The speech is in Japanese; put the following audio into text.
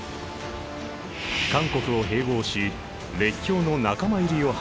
韓国を併合し列強の仲間入りを果たした。